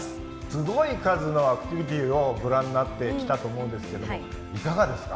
すごい数のアクティビティーをご覧になってきたと思うんですけどもいかがですか？